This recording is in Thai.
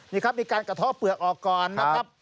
นี่ครับมีการกระท่อเปลือกออกก่อนนะครับ